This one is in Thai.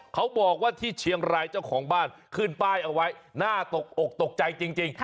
เขาบอกว่าที่เชียงรายเจ้าของบ้านขึ้นป้ายเอาไว้น่าตกอกตกใจจริง